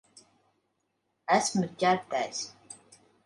Esmu ķertais.